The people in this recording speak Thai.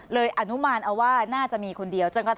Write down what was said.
อนุมานเอาว่าน่าจะมีคนเดียว